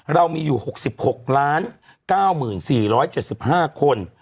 เรามีอยู่๖๖๙๔๗๕คน